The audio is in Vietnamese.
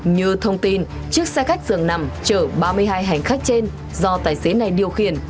như thông tin chiếc xe khách dường nằm chở ba mươi hai hành khách trên do tài xế này điều khiển